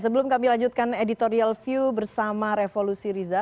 sebelum kami lanjutkan editorial view bersama revolusi riza